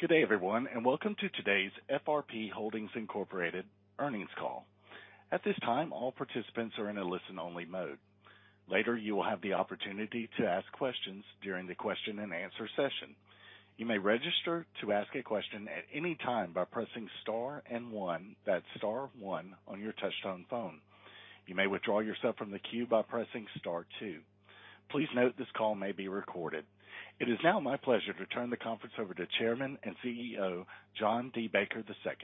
Good day, everyone, and welcome to today's FRP Holdings, Inc. earnings call. At this time, all participants are in a listen-only mode. Later, you will have the opportunity to ask questions during the question-and-answer session. You may register to ask a question at any time by pressing star and one, that's star one on your touchtone phone. You may withdraw yourself from the queue by pressing star two. Please note this call may be recorded. It is now my pleasure to turn the conference over to Chairman and CEO, John D. Baker II.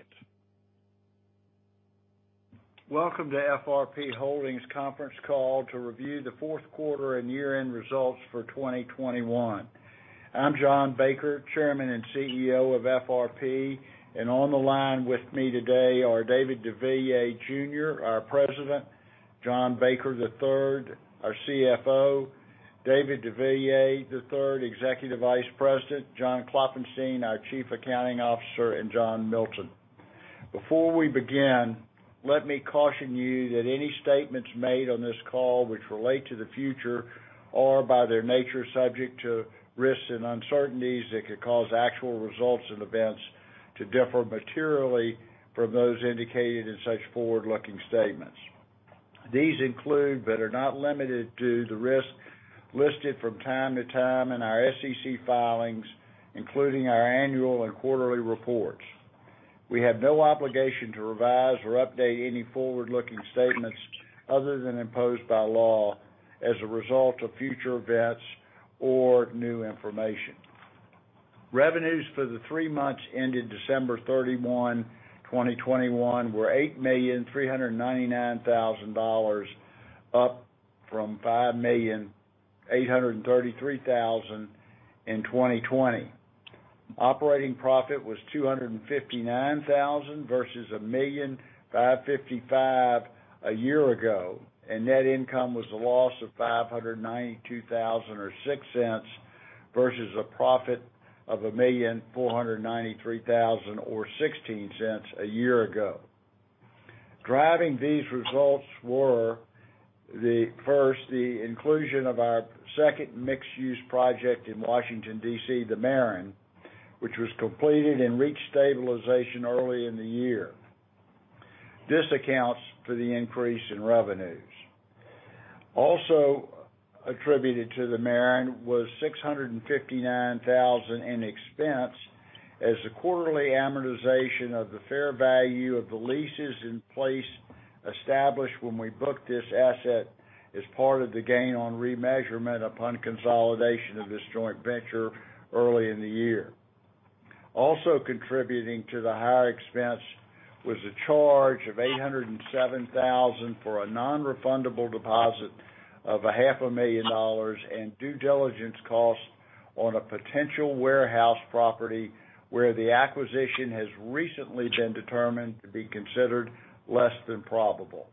Welcome to FRP Holdings conference call to review the fourth quarter and year-end results for 2021. I'm John Baker, Chairman and CEO of FRP, and on the line with me today are David deVilliers Jr., our President, John Baker III, our CFO, David deVilliers III, Executive Vice President, John Klopfenstein, our Chief Accounting Officer, and John Milton. Before we begin, let me caution you that any statements made on this call which relate to the future are, by their nature, subject to risks and uncertainties that could cause actual results and events to differ materially from those indicated in such forward-looking statements. These include, but are not limited to, the risks listed from time to time in our SEC filings, including our annual and quarterly reports. We have no obligation to revise or update any forward-looking statements other than imposed by law as a result of future events or new information. Revenues for the three months ended December 31, 2021 were $8,399,000, up from $5,833,000 in 2020. Operating profit was $259,000 versus $1,555,000 a year ago, and net income was a loss of $592,000 or $0.06 versus a profit of $1,493,000 or $0.16 a year ago. Driving these results were, first, the inclusion of our second mixed-use project in Washington, D.C., The Maren, which was completed and reached stabilization early in the year. This accounts for the Increase in Revenues. Also attributed to The Maren was $659,000 in expense as the quarterly amortization of the fair value of the leases in place established when we booked this asset as part of the gain on remeasurement upon consolidation of this joint venture early in the year. Also contributing to the higher expense was a charge of $807,000 for a non-refundable deposit of $500,000 dollars and due diligence costs on a potential warehouse property where the acquisition has recently been determined to be considered less than probable.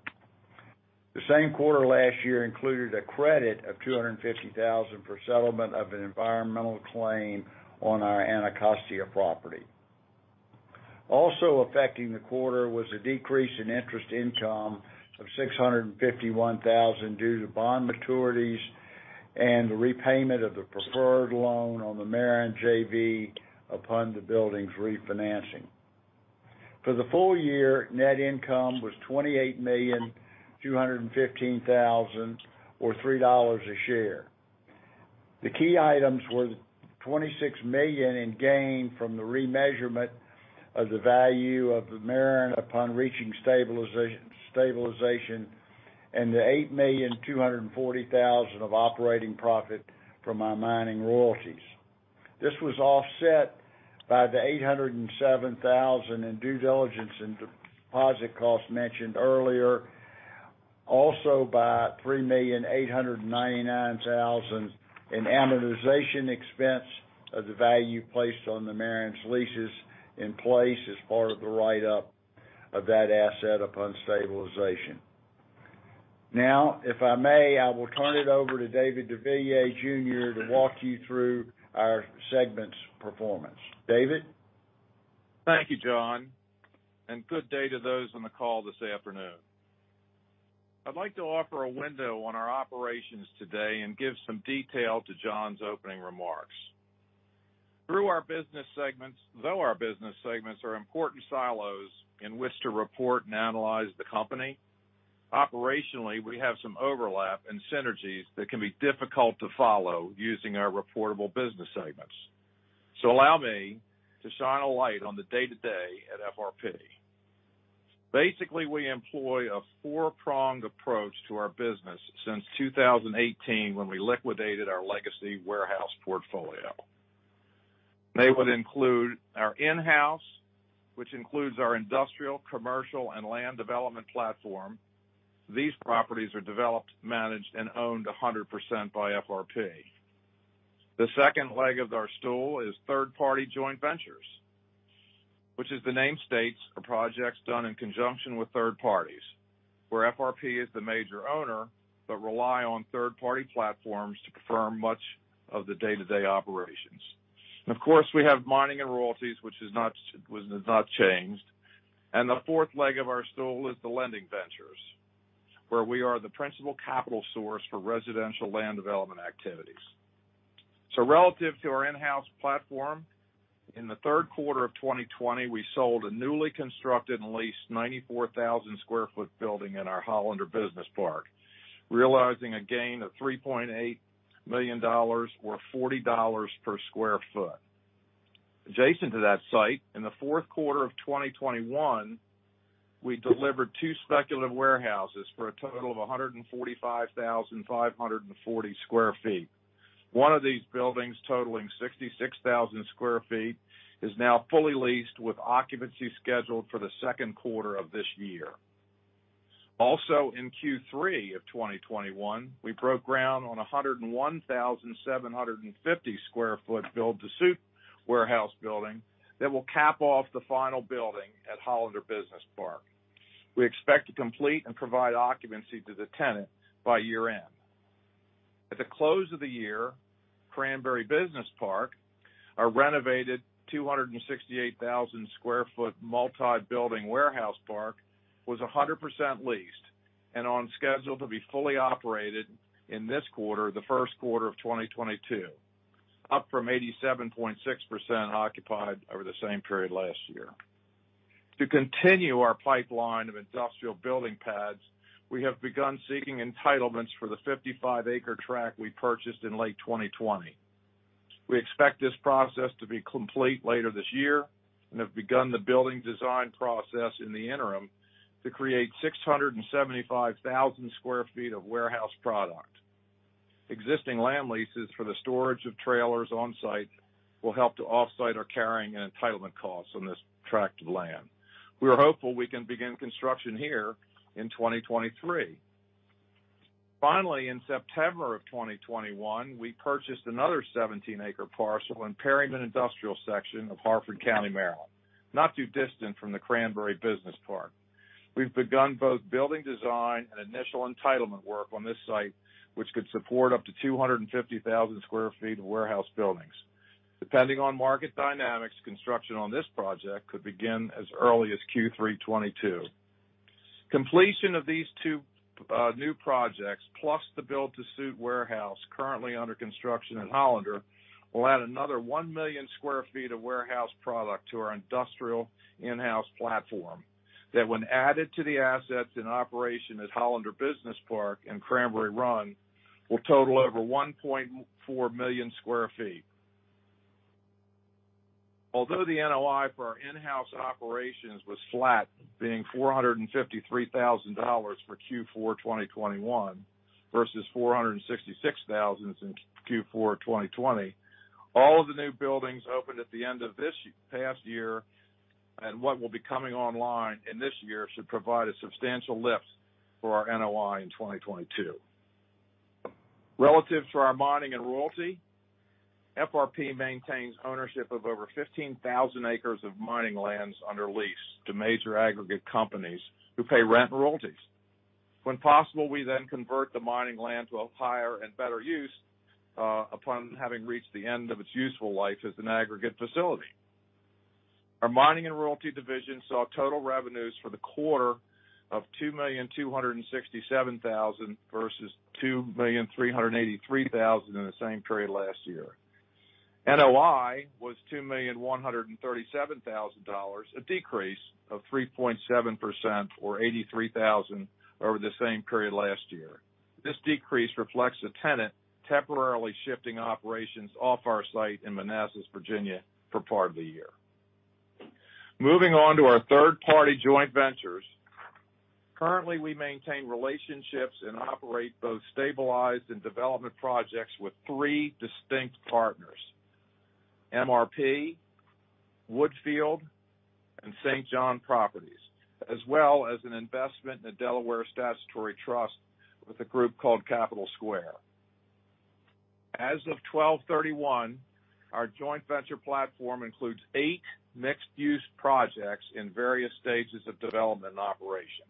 The same quarter last year included a credit of $250,000 for settlement of an environmental claim on our Anacostia property. Also affecting the quarter was a decrease in interest income of $651 thousand due to bond maturities and the repayment of the preferred loan on The Maren JV upon the building's refinancing. For the full year, net income was $28.215 million or $3 a share. The key items were the $26 million in gain from the remeasurement of the value of The Maren upon reaching stabilization and the $8.24 million of operating profit from our mining royalties. This was offset by the $807 thousand in due diligence and deposit costs mentioned earlier, also by $3.899 million in amortization expense of the value placed on The Maren's leases in place as part of the write-up of that asset upon stabilization. Now, if I may, I will turn it over to David deVilliers Jr. to walk you through our segment's performance. David? Thank you, John, and good day to those on the call this afternoon. I'd like to offer a window on our operations today and give some detail to John's opening remarks. Though our business segments are important silos in which to report and analyze the company, operationally, we have some overlap and synergies that can be difficult to follow using our reportable business segments. Allow me to shine a light on the day-to-day at FRP. Basically, we employ a four-pronged approach to our business since 2018 when we liquidated our legacy warehouse portfolio. They would include our in-house, which includes our industrial, commercial, and land development platform. These properties are developed, managed, and owned 100% by FRP. The second leg of our stool is third-party joint ventures, which, as the name states, are projects done in conjunction with third parties, where FRP is the major owner, but rely on third-party platforms to confirm much of the day-to-day operations. Of course, we have mining and royalties, which has not changed. The fourth leg of our stool is the lending ventures. Where we are the principal capital source for residential land development activities. Relative to our in-house platform, in the third quarter of 2020, we sold a newly constructed and leased 94,000 sq ft building in our Hollander Business Park, realizing a gain of $3.8 million or $40 per sq ft. Adjacent to that site, in the fourth quarter of 2021, we delivered two speculative warehouses for a total of 145,540 sq ft. One of these buildings, totaling 66,000 sq ft, is now fully leased with occupancy scheduled for the second quarter of this year. Also, in Q3 of 2021, we broke ground on a 101,750 sq ft build to suit warehouse building that will cap off the final building at Hollander Business Park. We expect to complete and provide occupancy to the tenant by year-end. At the close of the year, Cranberry Business Park, our renovated 268,000 sq ft multi-building warehouse park, was 100% leased and on schedule to be fully operated in this quarter, the first quarter of 2022, up from 87.6% occupied over the same period last year. To continue our pipeline of industrial building pads, we have begun seeking entitlements for the 55-acre tract we purchased in late 2020. We expect this process to be complete later this year and have begun the building design process in the interim to create 675,000 sq ft of warehouse product. Existing land leases for the storage of trailers on site will help to offset our carrying and entitlement costs on this tract of land. We are hopeful we can begin construction here in 2023. Finally, in September of 2021, we purchased another 17-acre parcel in Perryman Industrial Section of Harford County, Maryland, not too distant from the Cranberry Business Park. We've begun both building design and initial entitlement work on this site, which could support up to 250,000 sq ft of warehouse buildings. Depending on market dynamics, construction on this project could begin as early as Q3 2022. Completion of these two new projects, plus the build-to-suit warehouse currently under construction in Hollander, will add another 1 million sq ft of warehouse product to our industrial in-house platform that when added to the assets in operation at Hollander Business Park and Cranberry Run, will total over 1.4 million sq ft. Although the NOI for our in-house operations was flat, being $453,000 for Q4 2021 versus $466,000 in Q4 2020, all of the new buildings opened at the end of this past year and what will be coming online in this year should provide a substantial lift for our NOI in 2022. Relative to our mining and royalty, FRP maintains ownership of over 15,000 acres of mining lands under lease to major aggregate companies who pay rent and royalties. When possible, we then convert the mining land to a higher and better use, upon having reached the end of its useful life as an aggregate facility. Our mining and royalty division saw total revenues for the quarter of $2,267,000 versus $2,383,000 in the same period last year. NOI was $2,137,000, a decrease of 3.7% or $83,000 over the same period last year. This decrease reflects a tenant temporarily shifting operations off our site in Manassas, Virginia, for part of the year. Moving on to our third-party joint ventures. Currently, we maintain relationships and operate both stabilized and development projects with three distinct partners, MRP, Woodfield, and St. John Properties, as well as an investment in a Delaware statutory trust with a group called Capital Square. As of 12/31, our joint venture platform includes eight mixed-use projects in various stages of development and operation.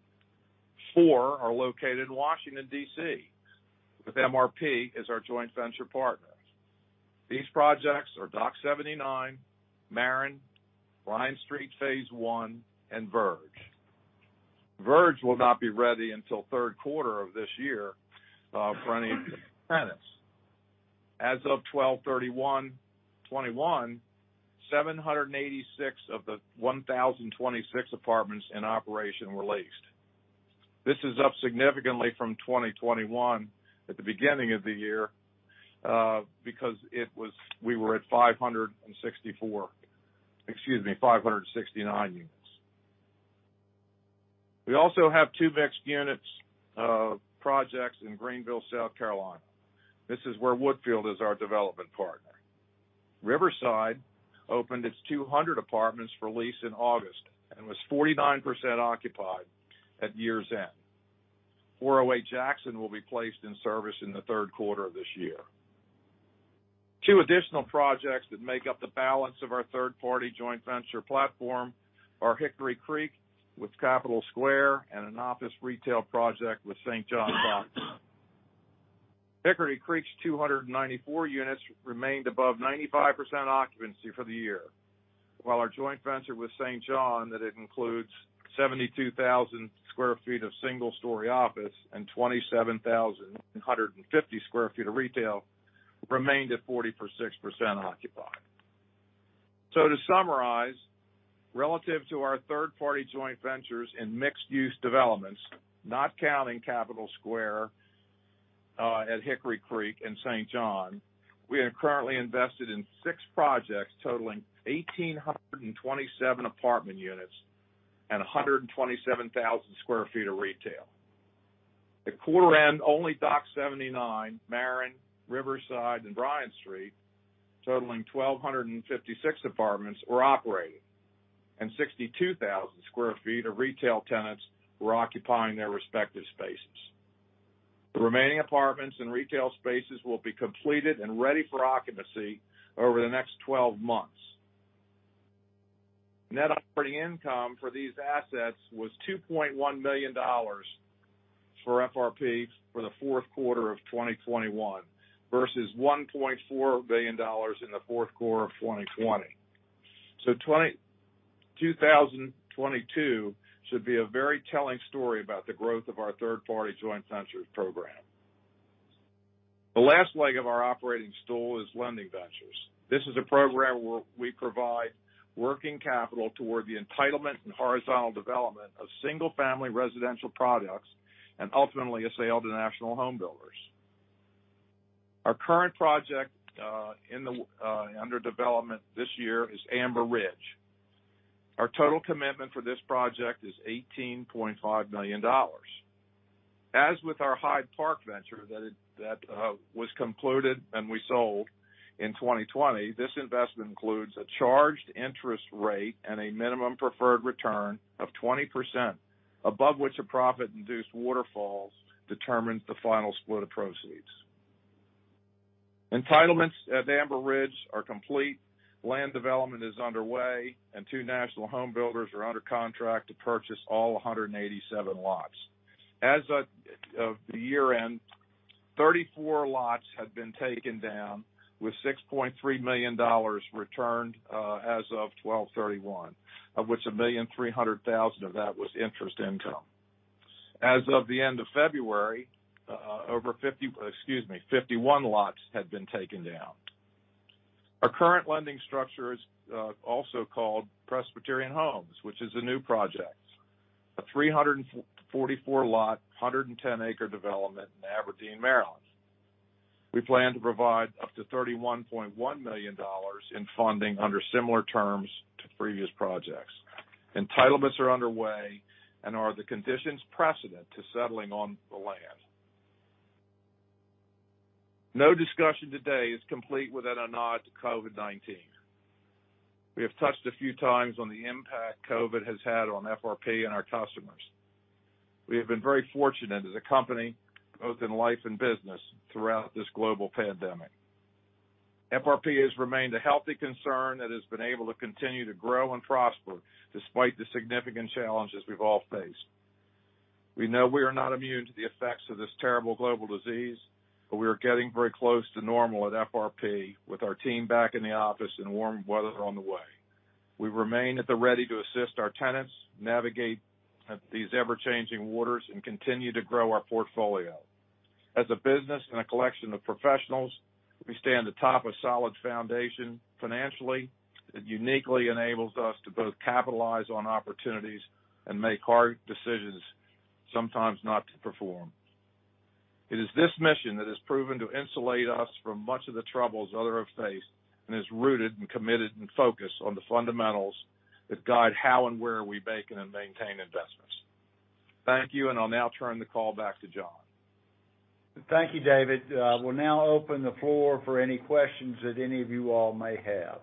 Four are located in Washington, D.C., with MRP as our joint venture partner. These projects are Dock 79, The Maren, Bryant Street phase I, and Verge. Verge will not be ready until third quarter of this year for any tenants. As of 12/31/2021, 786 of the 1,026 apartments in operation were leased. This is up significantly from 2021 at the beginning of the year because we were at 569 units. We also have two mixed-use projects in Greenville, South Carolina. This is where Woodfield is our development partner. Riverside opened its 200 apartments for lease in August and was 49% occupied at year's end. 408 Jackson will be placed in service in the third quarter of this year. Two additional projects that make up the balance of our third-party joint venture platform are Hickory Creek with Capital Square and an office retail project with St. John Properties. Hickory Creek's 294 units remained above 95% occupancy for the year, while our joint venture with St. John Properties, that it includes 72,000 sq ft of single-story office and 27,150 sq ft of retail, remained at 46% occupied. To summarize, relative to our third-party joint ventures in mixed-use developments, not counting Capital Square, at Hickory Creek and St. John Properties, we are currently invested in six projects totaling 1,827 apartment units and 127,000 sq ft of retail. At quarter end, only Dock 79, The Maren, Riverside, and Bryant Street, totaling 1,256 apartments were operating, and 62,000 sq ft of retail tenants were occupying their respective spaces. The remaining apartments and retail spaces will be completed and ready for occupancy over the next 12 months. Net operating income for these assets was $2.1 million for FRP for the fourth quarter of 2021 versus $1.4 million in the fourth quarter of 2020. 2022 should be a very telling story about the growth of our third-party joint ventures program. The last leg of our operating stool is lending ventures. This is a program where we provide working capital toward the entitlement and horizontal development of single-family residential products and ultimately is sold to national home builders. Our current project in the under development this year is Amber Ridge. Our total commitment for this project is $18.5 million. As with our Hyde Park venture that was concluded and we sold in 2020, this investment includes a charged interest rate and a minimum preferred return of 20%, above which a profit-induced waterfall determines the final split of proceeds. Entitlements at Amber Ridge are complete, land development is underway, and two national home builders are under contract to purchase all 187 lots. As of year-end, 34 lots had been taken down, with $6.3 million returned as of 12/31, of which $1.3 million of that was interest income. As of the end of February, 51 lots had been taken down. Our current lending structure is also called Presbyterian Homes, which is a new project, a 344-lot, 110-acre development in Aberdeen, Maryland. We plan to provide up to $31.1 million in funding under similar terms to previous projects. Entitlements are underway and are the conditions precedent to settling on the land. No discussion today is complete without a nod to COVID-19. We have touched a few times on the impact COVID has had on FRP and our customers. We have been very fortunate as a company, both in life and business, throughout this global pandemic. FRP has remained a healthy concern that has been able to continue to grow and prosper despite the significant challenges we've all faced. We know we are not immune to the effects of this terrible global disease, but we are getting very close to normal at FRP with our team back in the office and warm weather on the way. We remain at the ready to assist our tenants navigate these ever-changing waters and continue to grow our portfolio. As a business and a collection of professionals, we stand atop a solid foundation financially that uniquely enables us to both capitalize on opportunities and make hard decisions, sometimes not to perform. It is this mission that has proven to insulate us from much of the troubles others have faced and is rooted and committed and focused on the fundamentals that guide how and where we make and maintain investments. Thank you, and I'll now turn the call back to John. Thank you, David. We'll now open the floor for any questions that any of you all may have.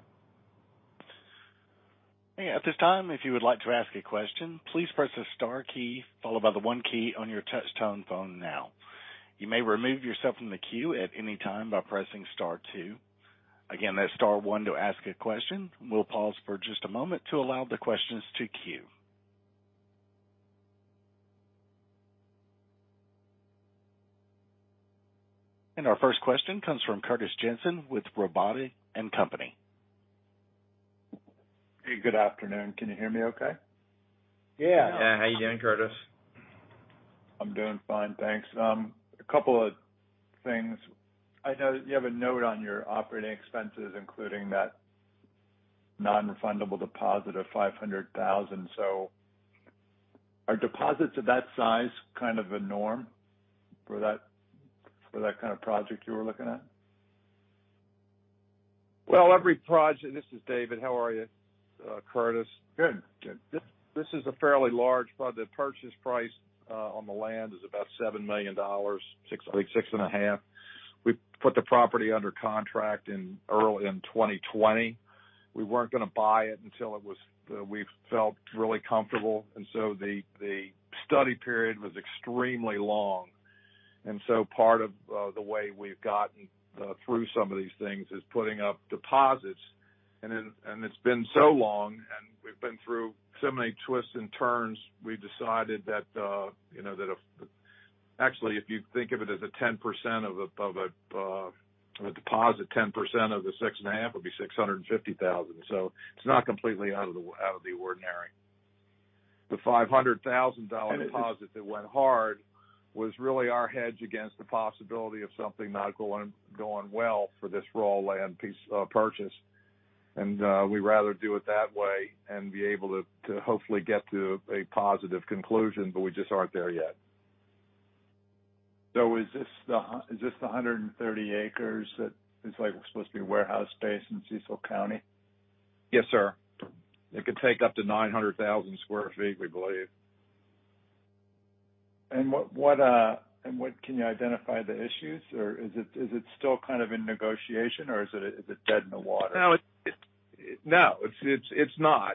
Our first question comes from Curtis Jensen with Robotti & Company. Hey, good afternoon. Can you hear me okay? Yeah. Yeah. How you doing, Curtis? I'm doing fine, thanks. A couple of things. I know you have a note on your operating expenses, including that non-refundable deposit of $500,000. Are deposits of that size kind of a norm for that kind of project you were looking at? This is David. How are you, Curtis? Good. Good. This is a fairly large project. The purchase price on the land is about $7 million, I think $6.5 million. We put the property under contract in early 2020. We weren't gonna buy it until we felt really comfortable, and the study period was extremely long. Part of the way we've gotten through some of these things is putting up deposits. It's been so long. We've been through so many twists and turns. We've decided that, you know, actually, if you think of it as a 10% deposit, 10% of the $6.5 million would be $650,000. It's not completely out of the ordinary. The $500,000 deposit that went hard was really our hedge against the possibility of something not going well for this raw land piece purchase. We'd rather do it that way and be able to hopefully get to a positive conclusion, but we just aren't there yet. Is this the 130 acres that is, like, supposed to be warehouse space in Cecil County? Yes, sir. It could take up to 900,000 sq ft, we believe. What can you identify the issues, or is it still kind of in negotiation, or is it dead in the water? No, it's not.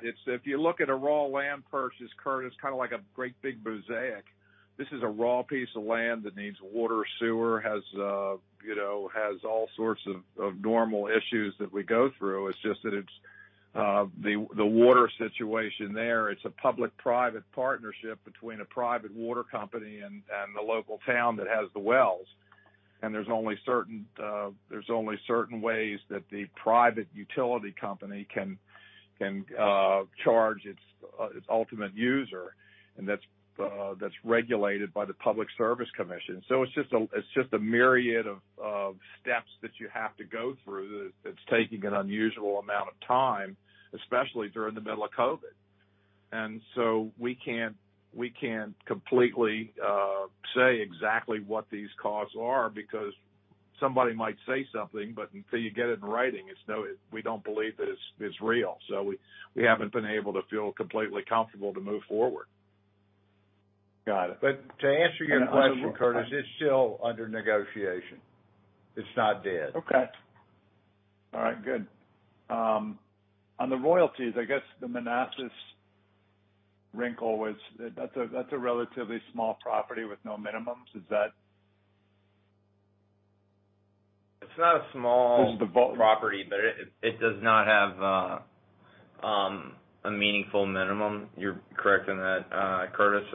It's if you look at a raw land purchase, Curtis, kind of like a great big mosaic. This is a raw piece of land that needs water, sewer, has you know has all sorts of normal issues that we go through. It's just that it's the water situation there, it's a public-private partnership between a private water company and the local town that has the wells. There's only certain ways that the private utility company can charge its ultimate user, and that's regulated by the Public Service Commission. It's just a myriad of steps that you have to go through that it's taking an unusual amount of time, especially during the middle of COVID. We can't completely say exactly what these costs are because somebody might say something, but until you get it in writing, we don't believe that it's real. We haven't been able to feel completely comfortable to move forward. Got it. To answer your question, Curtis, it's still under negotiation. It's not dead. Okay. All right. Good. On the royalties, I guess the Manassas wrinkle was that's a relatively small property with no minimums. Is that? It's not a small property, but it does not have a meaningful minimum. You're correct in that, Curtis.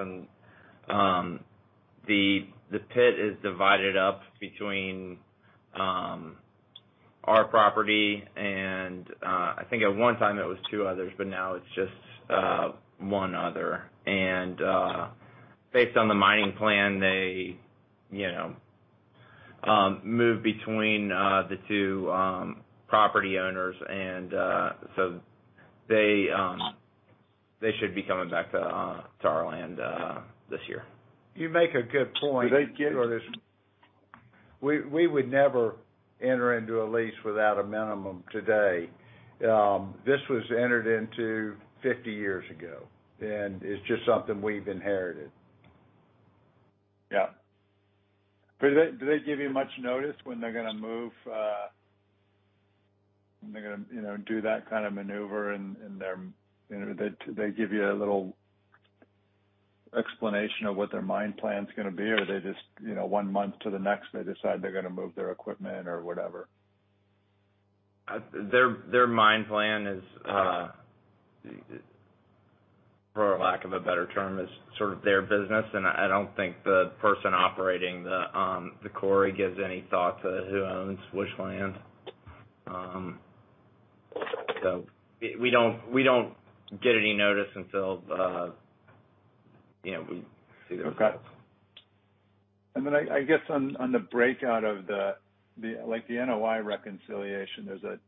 The pit is divided up between our property and I think at one time it was two others, but now it's just one other. Based on the mining plan, they you know move between the two property owners. So they should be coming back to our land this year. You make a good point, Curtis. We would never enter into a lease without a minimum today. This was entered into 50 years ago, and it's just something we've inherited. Yeah. Do they give you much notice when they're gonna move, you know, do that kind of maneuver in their? Do they give you a little explanation of what their mine plan's gonna be, or they just, you know, one month to the next, they decide they're gonna move their equipment or whatever? Their mine plan is, for lack of a better term, sort of their business. I don't think the person operating the quarry gives any thought to who owns which land. We don't get any notice until we see their trucks. Okay. Then I guess on the breakout of the NOI reconciliation, there's a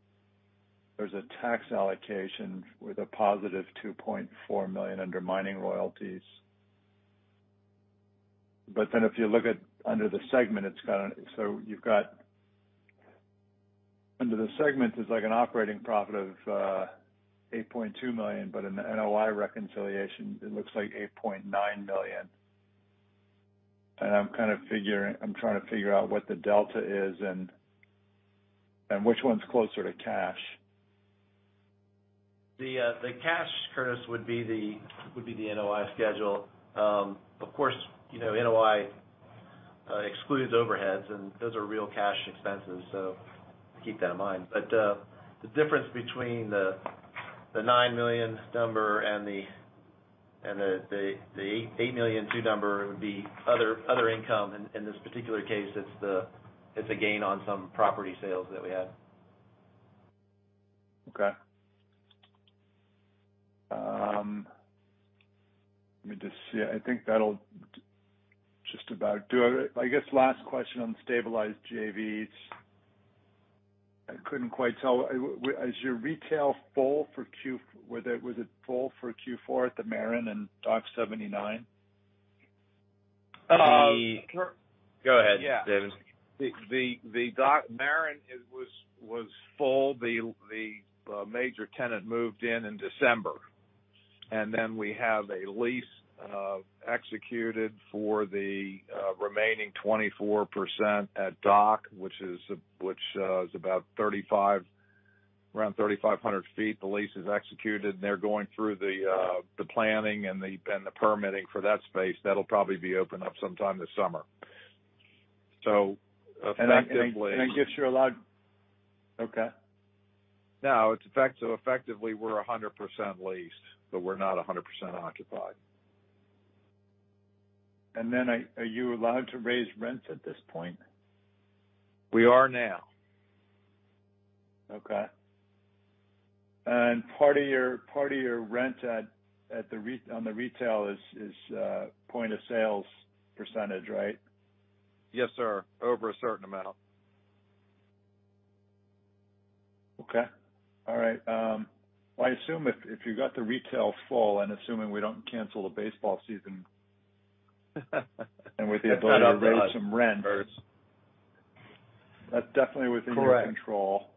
tax allocation with a positive $2.4 million under mining royalties. But then if you look under the segment, you've got an operating profit of $8.2 million, but in the NOI reconciliation, it looks like $8.9 million. I'm trying to figure out what the delta is and which one's closer to cash. The cash, Curtis, would be the NOI schedule. Of course, you know, NOI excludes overheads, and those are real cash expenses, so keep that in mind. The difference between the $9 million number and the $8.2 million number would be other income. In this particular case, it's a gain on some property sales that we had. Okay. Let me just see. I think that'll just about do it. I guess last question on stabilized JVs. I couldn't quite tell. Is your retail full for Q4 at the Maren and Dock 79? Um- The- Go ahead, David. Yeah. The Maren was full. The major tenant moved in in December. Then we have a lease executed for the remaining 24% at Dock, which is about 3,500, around 3,500 feet. The lease is executed, and they're going through the planning and the permitting for that space. That'll probably be opened up sometime this summer. Effectively It gives you a lot. Okay. No, effectively, we're 100% leased, but we're not 100% occupied. Are you allowed to raise rents at this point? We are now. Okay. Part of your rent at the retail is point-of-sale %, right? Yes, sir. Over a certain amount. Okay. All right. I assume if you got the retail full and assuming we don't cancel the baseball season. That's not up to us. with the ability to raise some rents, that's definitely within your control.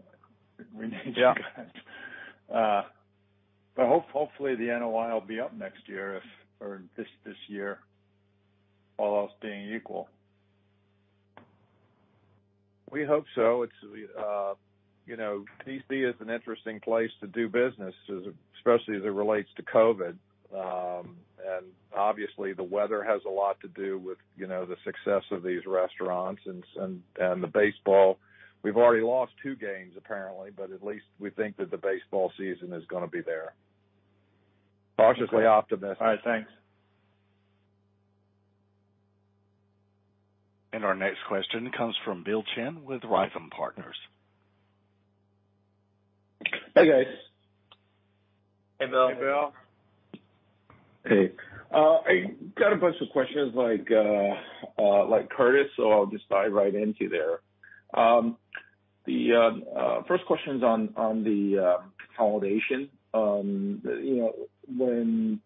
Correct. We need you guys. Yeah. Hopefully, the NOI will be up next year if or this year, all else being equal. We hope so. It's you know, D.C. is an interesting place to do business, especially as it relates to COVID. Obviously, the weather has a lot to do with you know, the success of these restaurants and the baseball. We've already lost two games, apparently, but at least we think that the baseball season is gonna be there. Cautiously optimistic. All right. Thanks. Our next question comes from Bill Chen with Rhizome Partners. Hi, guys. Hey, Bill. Hey, Bill. Hey. I got a bunch of questions like Curtis, so I'll just dive right into there. The first question's on the consolidation. You know, when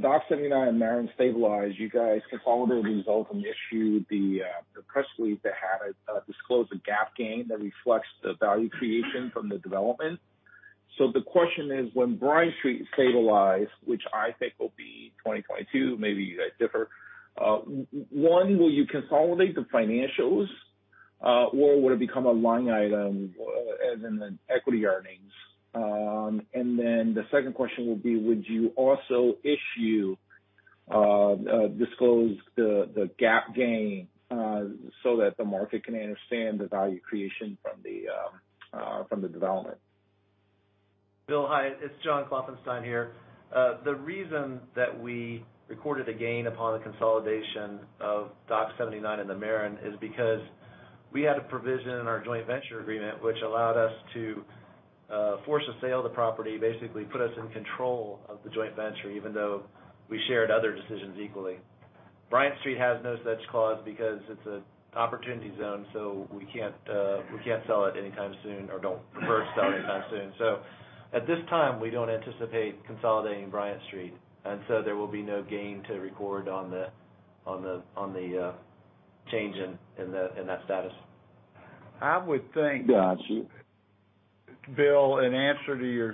Dock 79 and Maren stabilize, you guys consolidate and also issue the press release that had disclosed the GAAP gain that reflects the value creation from the development. The question is, when Bryant Street stabilize, which I think will be 2022, maybe you guys differ or 2021, will you consolidate the financials, or would it become a line item as in the equity earnings? The second question would be, would you also disclose the GAAP gain so that the market can understand the value creation from the development? Bill, hi. It's John Klopfenstein here. The reason that we recorded a gain upon the consolidation of Dock 79 and The Maren is because we had a provision in our joint venture agreement which allowed us to force a sale of the property, basically put us in control of the joint venture, even though we shared other decisions equally. Bryant Street has no such clause because it's an opportunity zone, so we can't sell it anytime soon or don't prefer to sell it anytime soon. At this time, we don't anticipate consolidating Bryant Street, and there will be no gain to record on the change in that status. I would think. Got you. Bill, in answer to your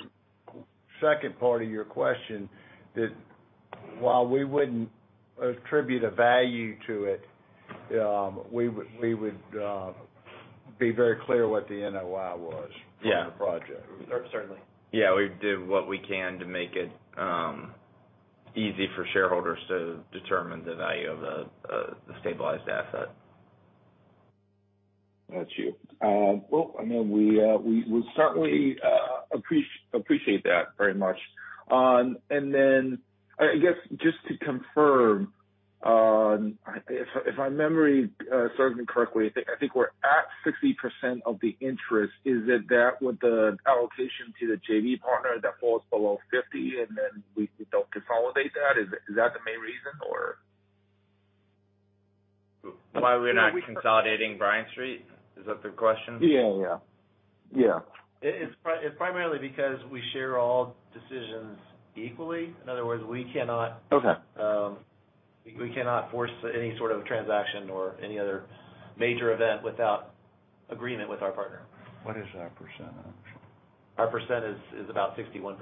second part of your question, that while we wouldn't attribute a value to it, we would be very clear what the NOI was. Yeah. for the project. Sure. Certainly. Yeah. We do what we can to make it easy for shareholders to determine the value of the stabilized asset. Got you. Well, I mean, we certainly appreciate that very much. Then I guess just to confirm, if my memory serves me correctly, I think we're at 60% of the interest. Is it that with the allocation to the JV partner that falls below 50, and then we don't consolidate that? Is that the main reason? Why we're not consolidating Bryant Street? Is that the question? Yeah. It's primarily because we share all decisions equally. In other words, we cannot- Okay. We cannot force any sort of transaction or any other major event without agreement with our partner. What is our % actually? Our percent is about 61%.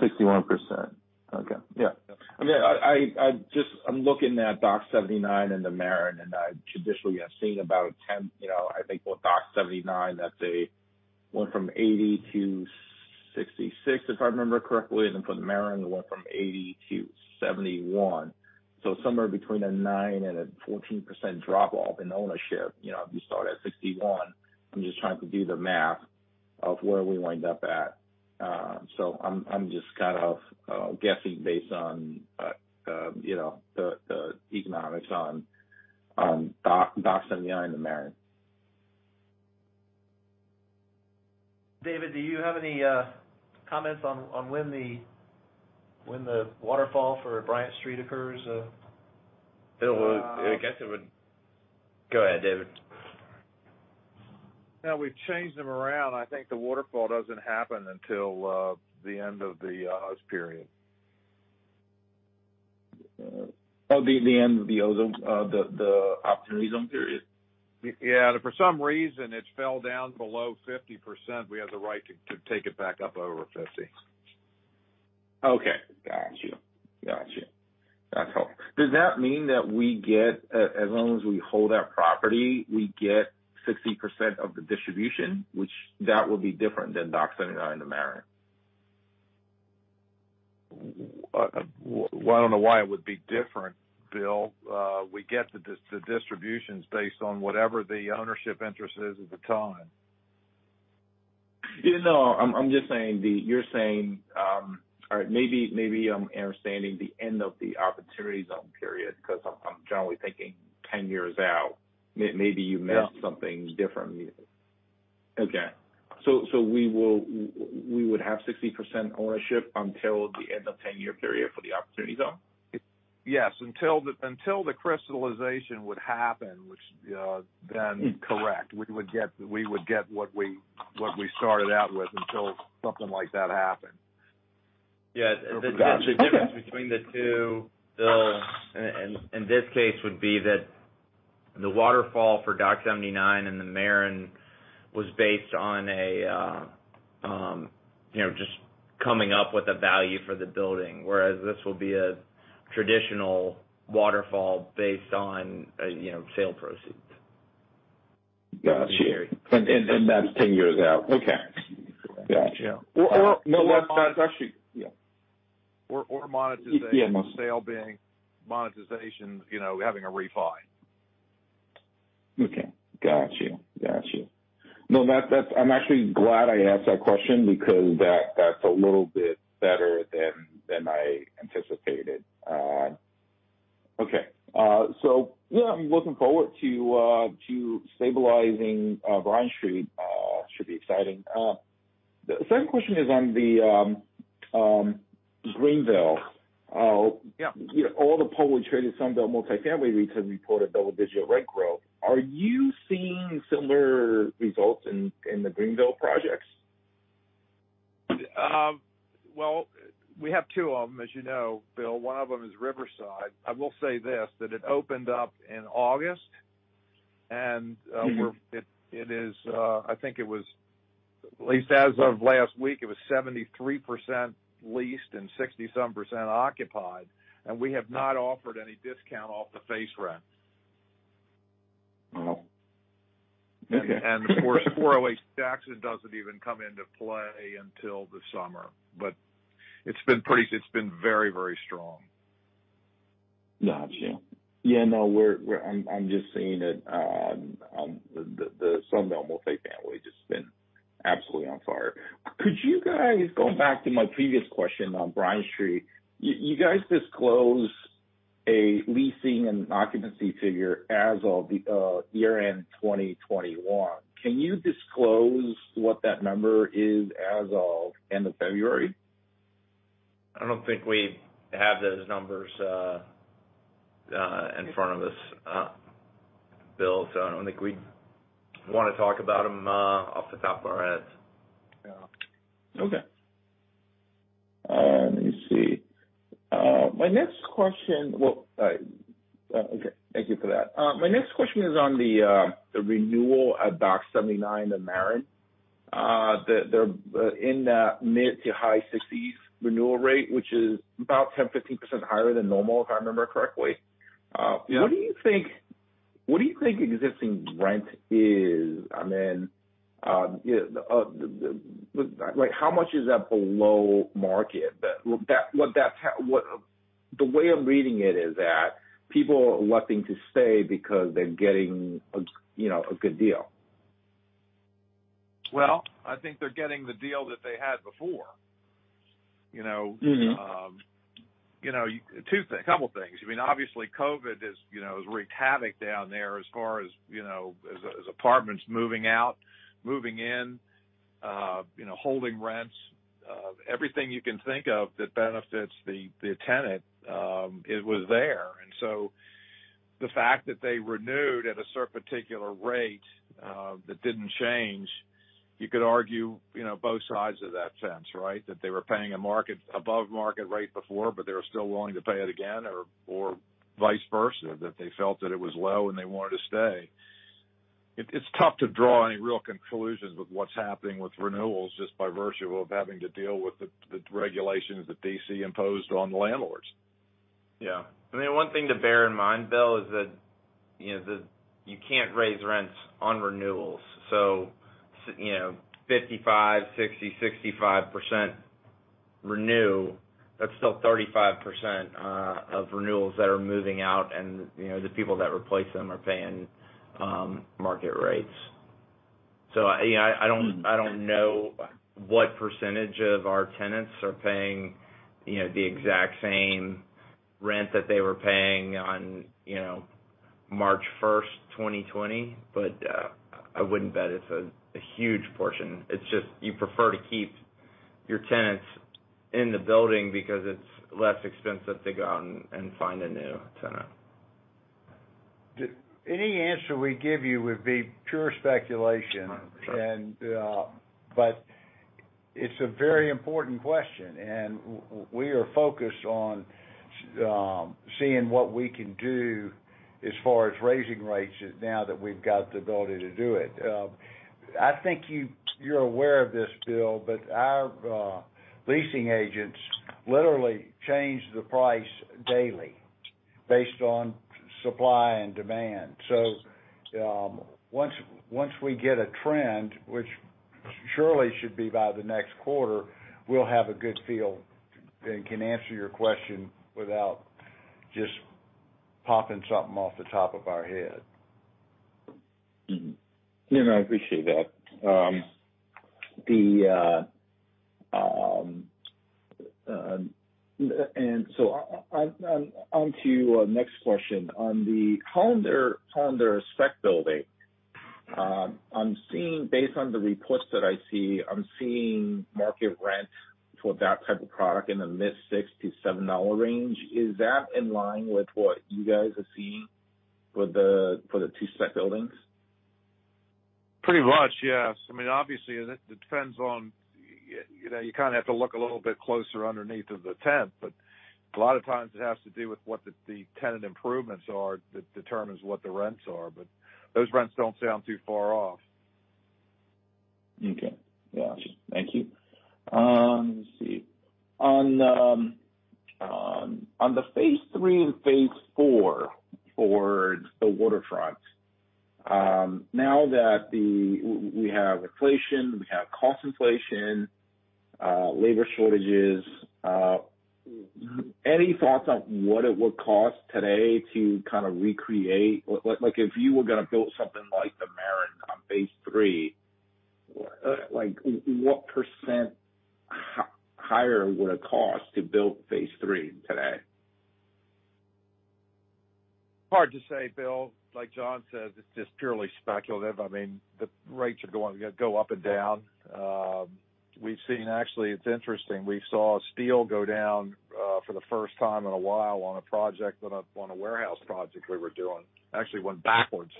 61%. Okay. Yeah. I mean, I just. I'm looking at Dock 79 and The Maren, and I traditionally have seen about ten. You know, I think with Dock 79, it went from 80 - 66, if I remember correctly. Then for The Maren, it went from 80 - 71. Somewhere between a 9%-14% drop-off in ownership, you know, if you start at 61. I'm just trying to do the math of where we wind up at. I'm just kind of guessing based on you know the economics on Dock 79 and The Maren. David, do you have any comments on when the waterfall for Bryant Street occurs? Go ahead, David. No, we've changed them around. I think the waterfall doesn't happen until the end of the OZ period. The end of the OZ, the Opportunity Zone period? Yeah. If for some reason it fell down below 50%, we have the right to take it back up over 50. Okay. Got you. That's all. Does that mean that we get, as long as we hold that property, we get 60% of the distribution, which that would be different than Dock 79 and the Maren? Well, I don't know why it would be different, Bill. We get the distributions based on whatever the ownership interest is at the time. You know, I'm just saying. You're saying, or maybe I'm understanding the end of the Opportunity Zone period because I'm generally thinking ten years out. Maybe you meant Yeah Something different. Okay. We would have 60% ownership until the end of the 10-year period for the Opportunity Zone? Yes, until the crystallization would happen, which, then correct, we would get what we started out with until something like that happened. The difference between the two, Bill, in this case, would be that the waterfall for Dock 79 and The Maren was based on a, you know, just coming up with a value for the building, whereas this will be a traditional waterfall based on, you know, sale proceeds. Got you. That's 10 years out. Okay. Got you. Yeah. No, that's actually yeah. Monetization. The sale being monetization, you know, having a refi. Okay. Got you. No, that's. I'm actually glad I asked that question because that's a little bit better than I anticipated. I'm looking forward to stabilizing Bryant Street. The second question is on the Greenville. Yeah. You know, all the publicly traded Sun Belt multifamily REITs have reported double-digit rent growth. Are you seeing similar results in the Greenville projects? Well, we have two of them, as you know, Bill. One of them is Riverside. I will say this, that it opened up in August, and Mm-hmm I think it was, at least as of last week, it was 73% leased and 60-some% occupied, and we have not offered any discount off the face rent. Wow. Okay. Of course, .408 Jackson doesn't even come into play until the summer, but it's been very, very strong. Got you. Yeah, no, we're just seeing it on the Sun Belt multifamily just been absolutely on fire. Could you guys go back to my previous question on Bryant Street. You guys disclose a leasing and occupancy figure as of the year-end 2021. Can you disclose what that number is as of end of February? I don't think we have those numbers in front of us, Bill, so I don't think we wanna talk about them off the top of our heads. Yeah. Okay. Let me see. My next question. Well, okay, thank you for that. My next question is on the renewal at Dock 79, The Maren. They're in the mid- to high 60s renewal rate, which is about 10%-15% higher than normal, if I remember correctly. Yeah. What do you think existing rent is? I mean, like, how much is that below market? The way I'm reading it is that people are wanting to stay because they're getting a, you know, a good deal. Well, I think they're getting the deal that they had before, you know? Mm-hmm. You know, couple things. I mean, obviously, COVID has wreaked havoc down there as far as apartments moving out, moving in, you know, holding rents. Everything you can think of that benefits the tenant, it was there. The fact that they renewed at a certain particular rate, that didn't change, you could argue, you know, both sides of that fence, right? That they were paying above market rate before, but they were still willing to pay it again or vice versa, that they felt that it was low, and they wanted to stay. It's tough to draw any real conclusions with what's happening with renewals just by virtue of having to deal with the regulations that D.C. imposed on the landlords. Yeah. I mean, one thing to bear in mind, Bill, is that, you know, you can't raise rents on renewals. You know, 55, 60, 65% renew, that's still 35% of renewals that are moving out and, you know, the people that replace them are paying market rates. You know, I don't know what % of our tenants are paying, you know, the exact same rent that they were paying on, you know, March first, 2020, but I wouldn't bet it's a huge portion. It's just you prefer to keep your tenants in the building because it's less expensive to go out and find a new tenant. Any answer we give you would be pure speculation. Sure. It's a very important question, and we are focused on seeing what we can do as far as raising rates now that we've got the ability to do it. I think you're aware of this, Bill, but our leasing agents literally change the price daily. Based on supply and demand. Once we get a trend, which surely should be by the next quarter, we'll have a good feel and can answer your question without just popping something off the top of our head. Mm-hmm. You know, I appreciate that. On to next question. On their spec building, I'm seeing based on the reports that I see, I'm seeing market rent for that type of product in the mid-$67 range. Is that in line with what you guys are seeing for the two spec buildings? Pretty much, yes. I mean, obviously, it depends on, you know, you kind of have to look a little bit closer underneath of the tent, but a lot of times it has to do with what the tenant improvements are that determines what the rents are. Those rents don't sound too far off. Okay. Yeah. Thank you. Let's see. On the phase three and phase four for the waterfront, now that we have inflation, we have cost inflation, labor shortages, any thoughts on what it would cost today to kind of recreate. Like, if you were gonna build something like the Maren on phase III, like what % higher would it cost to build phase III today? Hard to say, Bill. Like John said, it's just purely speculative. I mean, the rates are going to go up and down. We've seen. Actually, it's interesting. We saw steel go down for the first time in a while on a warehouse project we were doing. Actually went backwards.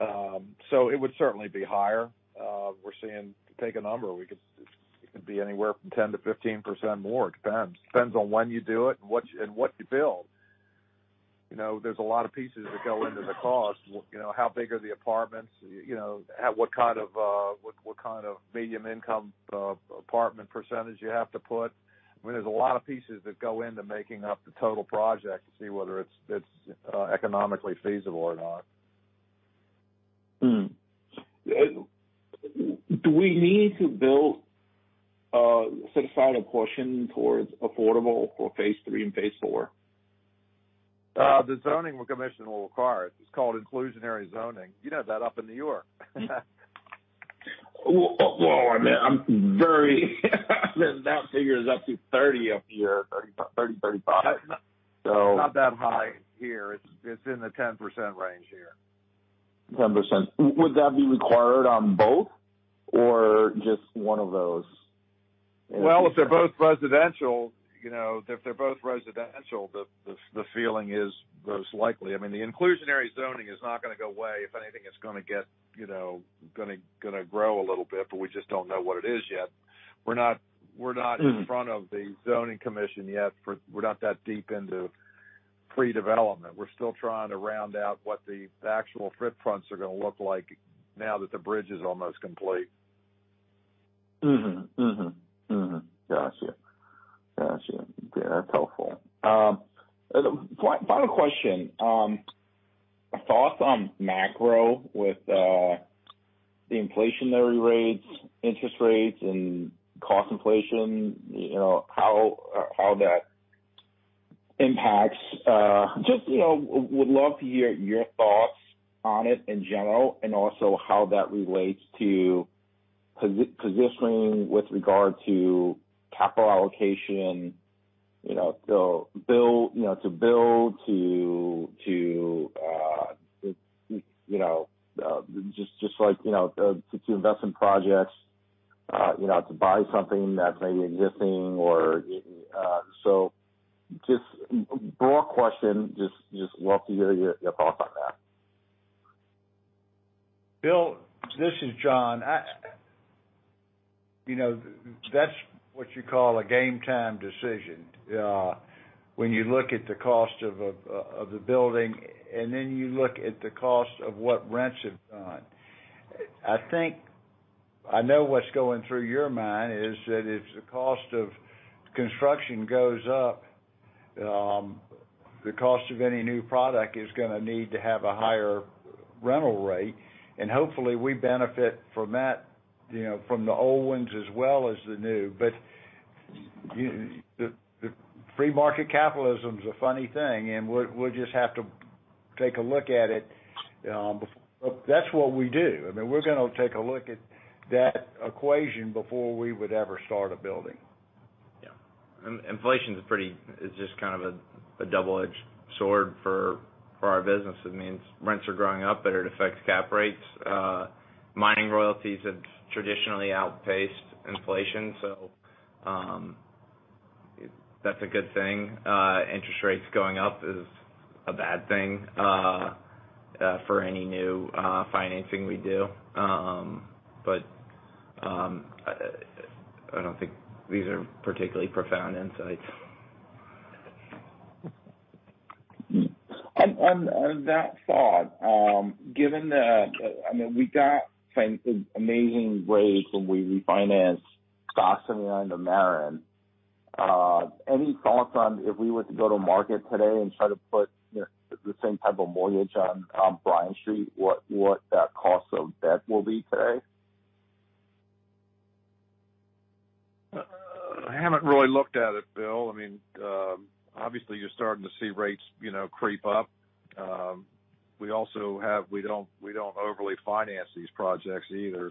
So it would certainly be higher. We're seeing, to take a number, it could be anywhere from 10%-15% more. It depends on when you do it and what you build. You know, there's a lot of pieces that go into the cost. You know, how big are the apartments, you know, at what kind of medium income apartment % you have to put. I mean, there's a lot of pieces that go into making up the total project to see whether it's economically feasible or not. Do we need to build a set-aside portion towards affordable for phase three and phase four? The zoning commission will require it. It's called inclusionary zoning. You'd have that up in New York. Well, I mean, that figure is up to 30 up here, 30-35. It's not that high here. It's in the 10% range here. 10%. Would that be required on both or just one of those? Well, if they're both residential, you know, the feeling is most likely. I mean, the inclusionary zoning is not gonna go away. If anything, it's gonna get, you know, gonna grow a little bit, but we just don't know what it is yet. We're not in front of the zoning commission yet. We're not that deep into pre-development. We're still trying to round out what the actual footprints are gonna look like now that the bridge is almost complete. Got you. Yeah, that's helpful. Final question. Thoughts on macro with the inflationary rates, interest rates and cost inflation, you know, how that impacts. Just, you know, would love to hear your thoughts on it in general and also how that relates to positioning with regard to capital allocation, you know, so build, you know, to build to, you know, just like, you know, to invest in projects, you know, to buy something that's maybe existing. So just broad question. Just love to hear your thoughts on that. Bill, this is John. You know, that's what you call a game time decision, when you look at the cost of the building and then you look at the cost of what rents have done. I think I know what's going through your mind is that if the cost of construction goes up, the cost of any new product is gonna need to have a higher rental rate, and hopefully we benefit from that, you know, from the old ones as well as the new. The free market capitalism is a funny thing, and we'll just have to take a look at it. That's what we do. I mean, we're gonna take a look at that equation before we would ever start a building. Yeah. Inflation is pretty. It's just kind of a double-edged sword for our business. It means rents are going up, but it affects cap rates. Mining royalties have traditionally outpaced inflation, so that's a good thing. Interest rates going up is a bad thing for any new financing we do. I don't think these are particularly profound insights. On that thought, given the—I mean, we got some amazing rates when we refinanced Dock 79 and the Maren. Any thoughts on if we were to go to market today and try to put the same type of mortgage on Bryant Street, what that cost of debt will be today? I haven't really looked at it, Bill. I mean, obviously, you're starting to see rates, you know, creep up. We don't overly finance these projects either.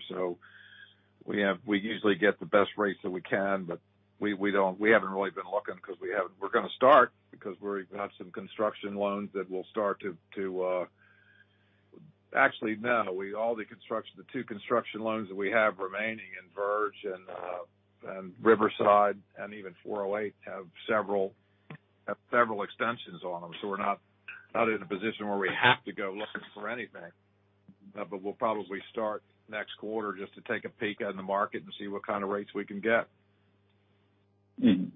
We usually get the best rates that we can, but we haven't really been looking because we have the two construction loans that we have remaining in Verge and Riverside, and even .408 Jackson have several extensions on them. We're not in a position where we have to go looking for anything. We'll probably start next quarter just to take a peek at the market and see what kind of rates we can get. Mm-hmm.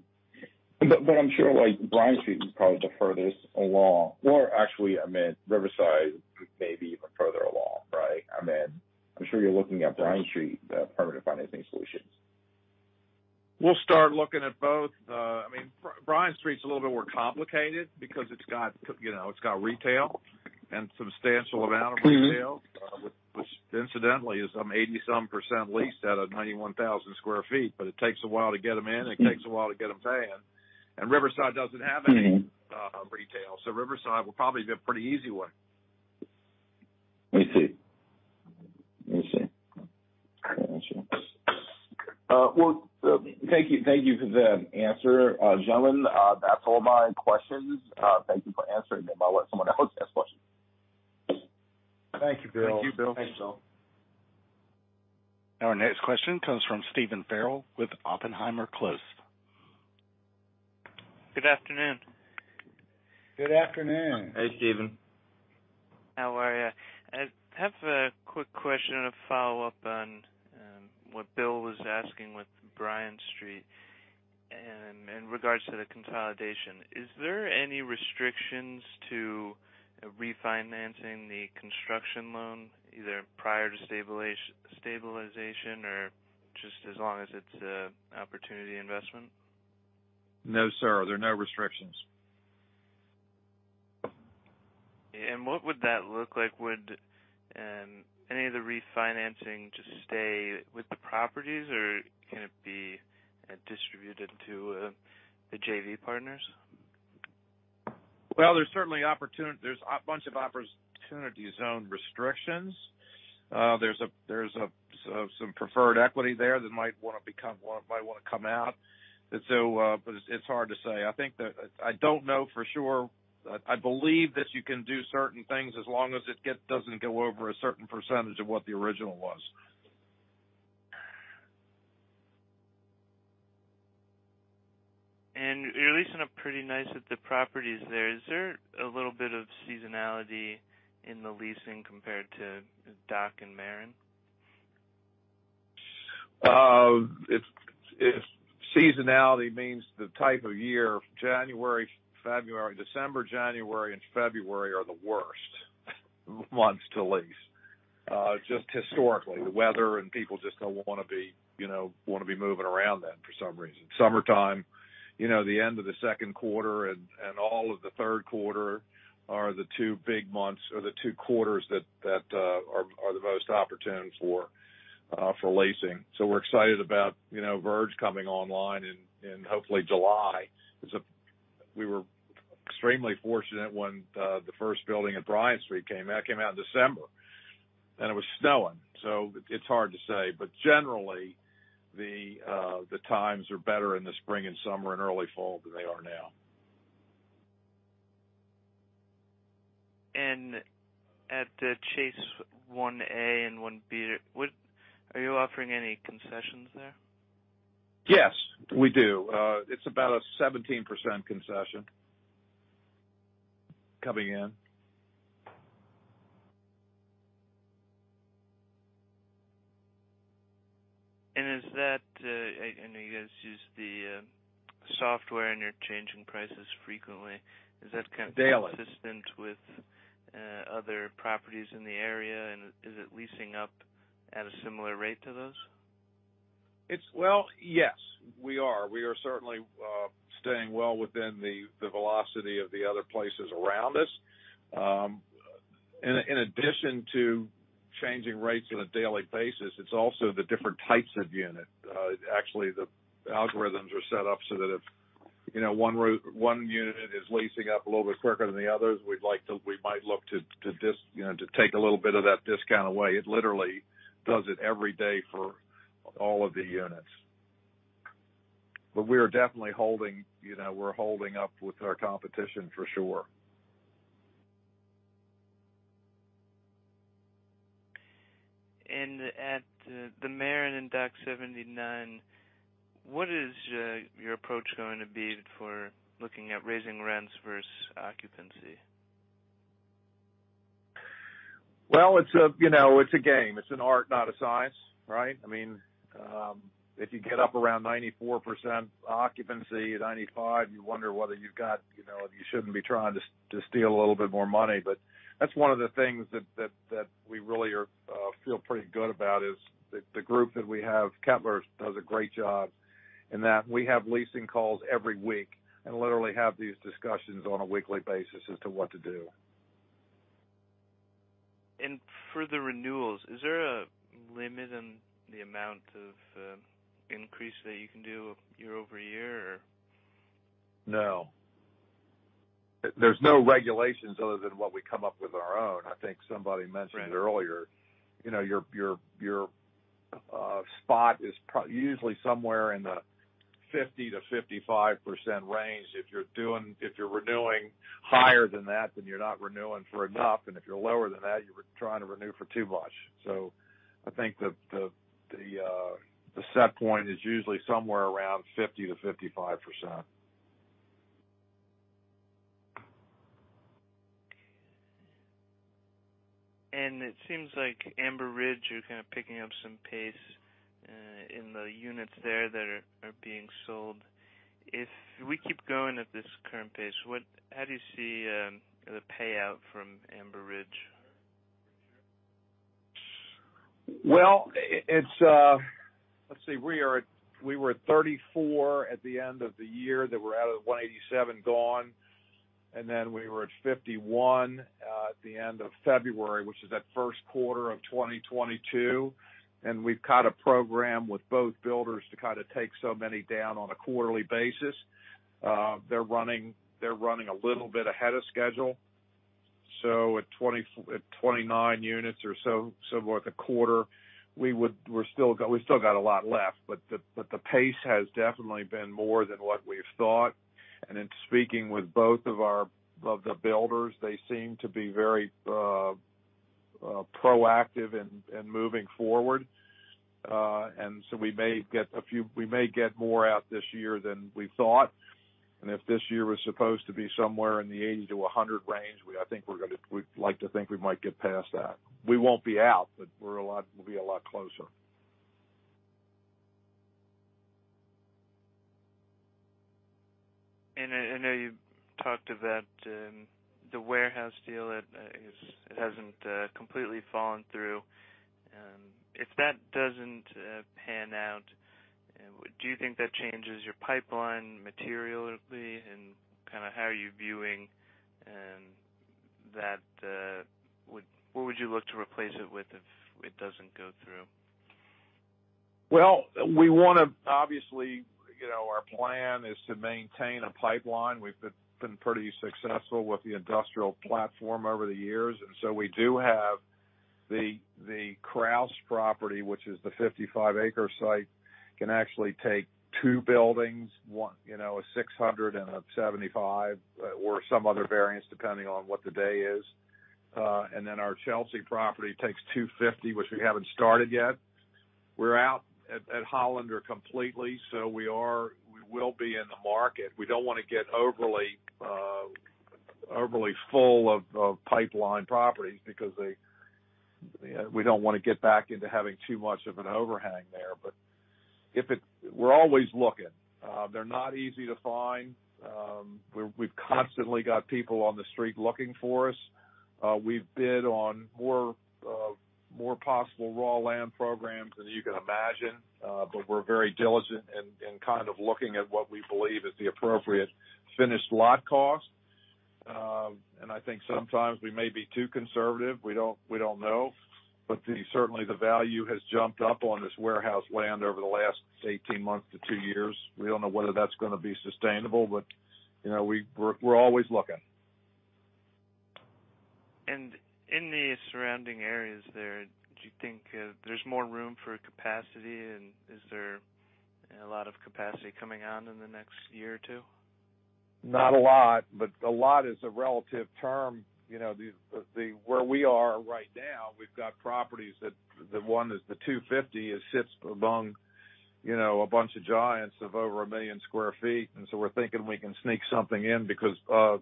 I'm sure, like, Bryant Street is probably the furthest along. Actually, I meant Riverside may be even further along, right? I mean, I'm sure you're looking at Bryant Street, permanent financing solutions. We'll start looking at both. I mean, Bryant Street's a little bit more complicated because it's got, you know, retail and substantial amount of retail. Mm-hmm. Which incidentally is some 80-some% leased out of 91,000 sq ft, but it takes a while to get them in, and it takes a while to get them paying. Riverside doesn't have any retail. Riverside will probably be a pretty easy one. I see. Gotcha. Well, thank you for the answer, gentlemen. That's all my questions. Thank you for answering them. I'll let someone else ask questions. Thank you, Bill. Thank you, Bill. Thanks, Bill. Our next question comes from Stephen Farrell with Oppenheimer & Co. Good afternoon. Good afternoon. Hey, Stephen. How are you? I have a quick question and a follow-up on what Bill was asking with Bryant Street and in regards to the consolidation. Is there any restrictions to refinancing the construction loan, either prior to stabilization or just as long as it's an Opportunity Zone investment? No, sir. There are no restrictions. What would that look like? Would any of the refinancing just stay with the properties, or can it be distributed to the JV partners? Well, there's certainly opportunity zone restrictions. There's some preferred equity there that might wanna come out. But it's hard to say. I think that I don't know for sure. I believe that you can do certain things as long as it doesn't go over a certain % of what the original was. You're leasing up pretty nice at the properties there. Is there a little bit of seasonality in the leasing compared to Dock 79 and The Maren? If seasonality means the type of year, January, February, December, January and February are the worst months to lease, just historically. The weather and people just don't wanna be, you know, moving around then for some reason. Summertime, you know, the end of the second quarter and all of the third quarter are the two big months or the two quarters that are the most opportune for leasing. We're excited about, you know, Verge coming online in hopefully July. We were extremely fortunate when the first building at Bryant Street came out. It came out in December, and it was snowing. It's hard to say. Generally, the times are better in the spring and summer and early fall than they are now. At The Chase 1A and 1B, are you offering any concessions there? Yes, we do. It's about a 17% concession coming in. Is that, I know you guys use the software, and you're changing prices frequently. Is that kind of- Daily... consistent with other properties in the area, and is it leasing up at a similar rate to those? Well, yes, we are. We are certainly staying well within the velocity of the other places around us. In addition to changing rates on a daily basis, it's also the different types of unit. Actually, the algorithms are set up so that if you know one unit is leasing up a little bit quicker than the others, we might look to you know to take a little bit of that discount away. It literally does it every day for all of the units. We are definitely holding, you know, we're holding up with our competition for sure. At The Maren and Dock 79, what is your approach going to be for looking at raising rents versus occupancy? Well, you know, it's a game. It's an art, not a science, right? I mean, if you get up around 94% occupancy, 95, you wonder whether you've got, you know, if you shouldn't be trying to steal a little bit more money. But that's one of the things that we really are feel pretty good about is the group that we have. Kettler does a great job in that we have leasing calls every week and literally have these discussions on a weekly basis as to what to do. For the renewals, is there a limit in the amount of increase that you can do year-over-year or? No. There's no regulations other than what we come up with on our own. I think somebody mentioned. Right Earlier, you know, your spot is usually somewhere in the 50%-55% range. If you're renewing higher than that, then you're not renewing for enough. If you're lower than that, you're trying to renew for too much. I think the set point is usually somewhere around 50%-55%. It seems like Amber Ridge, you're kind of picking up some pace in the units there that are being sold. If we keep going at this current pace, how do you see the payout from Amber Ridge. Well, let's see, we were at 34 at the end of the year that were out of 187 gone. Then we were at 51 at the end of February, which is that first quarter of 2022. We've got a program with both builders to kinda take so many down on a quarterly basis. They're running a little bit ahead of schedule. At 29 units or so worth a quarter, we're still got a lot left. But the pace has definitely been more than what we've thought. In speaking with both of the builders, they seem to be very proactive in moving forward. We may get more out this year than we thought. If this year was supposed to be somewhere in the 80-100 range, I think we'd like to think we might get past that. We won't be out, but we're a lot, we'll be a lot closer. I know you talked about the warehouse deal that it hasn't completely fallen through. If that doesn't pan out, do you think that changes your pipeline materially? Kinda how are you viewing that? What would you look to replace it with if it doesn't go through? Well, we wanna obviously, you know, our plan is to maintain a pipeline. We've been pretty successful with the industrial platform over the years. We do have the Kraus property, which is the 55-acre site, can actually take two buildings, one, you know, a 675, or some other variants, depending on what the day is. Our Chelsea property takes 250, which we haven't started yet. We're out at Hollander completely, so we will be in the market. We don't wanna get overly full of pipeline properties because they, you know, we don't wanna get back into having too much of an overhang there. We're always looking. They're not easy to find. We've constantly got people on the street looking for us. We've bid on more possible raw land programs than you can imagine. We're very diligent in kind of looking at what we believe is the appropriate finished lot cost. I think sometimes we may be too conservative. We don't know. Certainly, the value has jumped up on this warehouse land over the last 18 months to two years. We don't know whether that's gonna be sustainable, but, you know, we're always looking. In the surrounding areas there, do you think, there's more room for capacity? Is there a lot of capacity coming on in the next year or two? Not a lot, but a lot is a relative term. Where we are right now, we've got properties that the one is the 250, it sits among a bunch of giants of over 1 million sq ft. We're thinking we can sneak something in because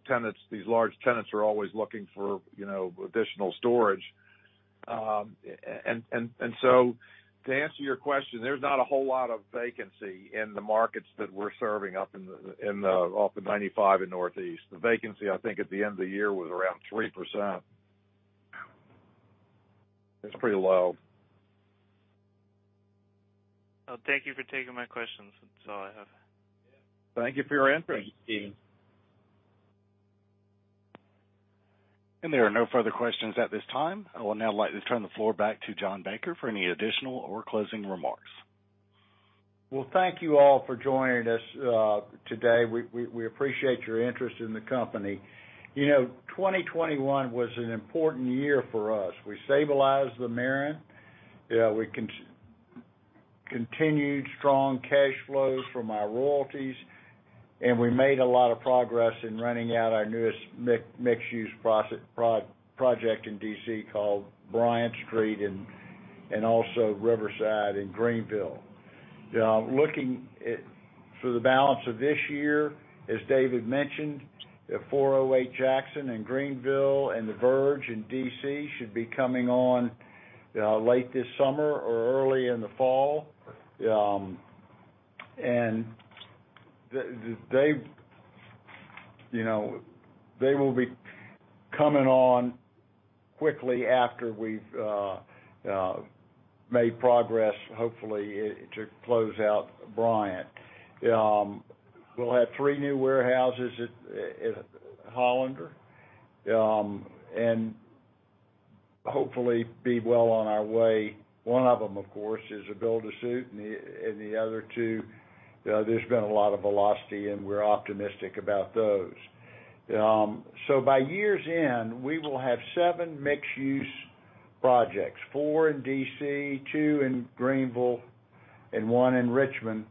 tenants, these large tenants are always looking for additional storage. To answer your question, there's not a whole lot of vacancy in the markets that we're serving up in the off the 95 and Northeast. The vacancy, I think, at the end of the year was around 3%. It's pretty low. Well, thank you for taking my questions. That's all Thank you for your interest. Thank you, Stephen. There are no further questions at this time. I will now like to turn the floor back to John Baker for any additional or closing remarks. Well, thank you all for joining us today. We appreciate your interest in the company. You know, 2021 was an important year for us. We stabilized The Maren. We continued strong cash flows from our royalties, and we made a lot of progress in renting out our newest mixed-use project in D.C. called Bryant Street and also Riverside in Greenville. Yeah, looking at for the balance of this year, as David mentioned, the 408 Jackson in Greenville and The Verge in D.C. should be coming on late this summer or early in the fall. They've, you know, they will be coming on quickly after we've made progress, hopefully to close out Bryant. We'll have three new warehouses at Hollander, and hopefully be well on our way. One of them, of course, is a build to suit, and the other two, there's been a lot of velocity, and we're optimistic about those. By year's end, we will have seven mixed-use projects, four in D.C., two in Greenville, and one in Richmond,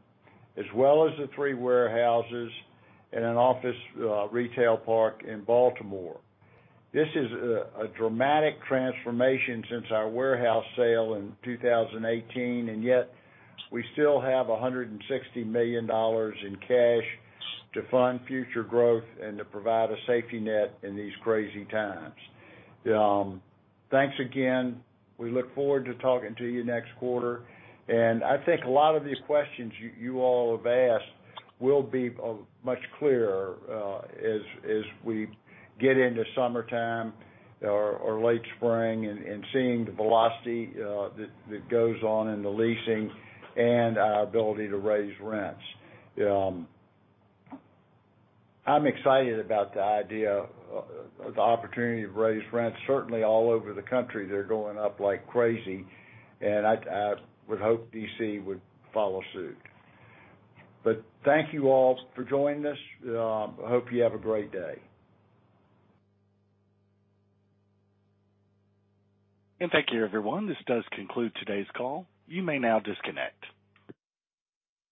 as well as the three warehouses and an office retail park in Baltimore. This is a dramatic transformation since our warehouse sale in 2018, and yet we still have $160 million in cash to fund future growth and to provide a safety net in these crazy times. Thanks again. We look forward to talking to you next quarter. I think a lot of these questions you all have asked will be much clearer as we get into summertime or late spring and seeing the velocity that goes on in the leasing and our ability to raise rents. I'm excited about the idea of the opportunity to raise rents. Certainly all over the country, they're going up like crazy, and I would hope D.C. would follow suit. Thank you all for joining us. I hope you have a great day. Thank you, everyone. This does conclude today's call. You may now disconnect.